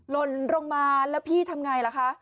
ลนลงมาแล้วพี่ทำไงล่ะคะ